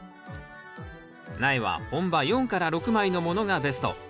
苗は本葉４６枚のものがベスト。